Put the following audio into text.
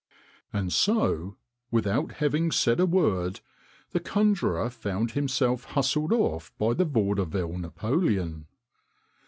And so, without having said a word, the conjurer found himself hustled off by the Vaudeville Napoleon.